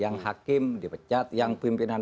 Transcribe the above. yang hakim dipecat yang pimpinan